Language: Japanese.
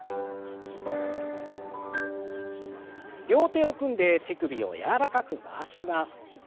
両手を組んで手首を柔らかく回します。